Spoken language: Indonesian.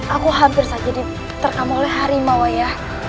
aku hampir saja diterkam oleh harimau ya